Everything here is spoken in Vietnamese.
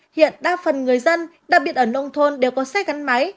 hiện đa phần người dân đặc biệt ở nông thôn đều có xe gắn máy